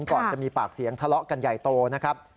ก่อนจะมีปากเสียงทะเลาะกันใหญ่โตนะครับ